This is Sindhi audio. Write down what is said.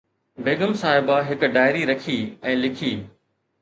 بيگم صاحبه هڪ ڊائري رکي ۽ لکي